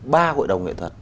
ba hội đồng nghệ thuật